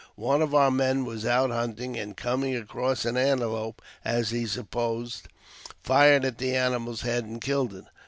One of our men was out hunting, and coming across an antelope, as he supposed, fired at the animal's head and killed it.